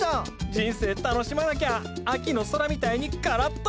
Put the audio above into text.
人生楽しまなきゃ秋の空みたいにカラッと！